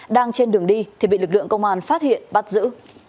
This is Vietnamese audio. đang trên đường đi thì bị lực lượng công an phát hiện bắt giữ